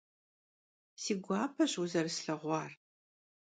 Si guapeş vuzerıslheğuar.